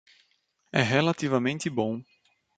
É relativamente bom.